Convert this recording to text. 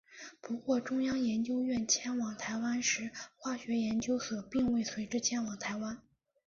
不过中央研究院迁往台湾时化学研究所并未随之迁往台湾。